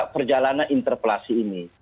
perjalanan interpelasi ini